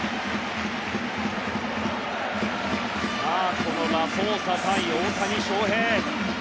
さあ、ラソーサ対大谷翔平。